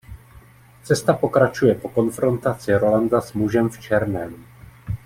Cesta pokračuje po konfrontaci Rolanda s mužem v černém.